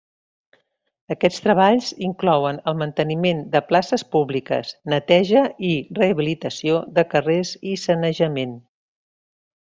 Aquests treballs inclouen el manteniment de places públiques, neteja i rehabilitació de carrers i sanejament.